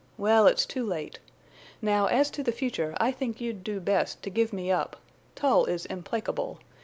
Well, it's too late.... Now, as to the future, I think you'd do best to give me up. Tull is implacable.